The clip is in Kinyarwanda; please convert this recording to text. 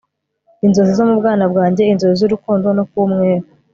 inzozi zo mu bwana bwanjye, inzozi z'urukundo no kuba umwere